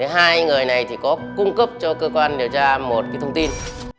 hai người này có cung cấp cho cơ quan điều tra một thông tin